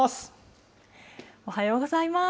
おはようございます。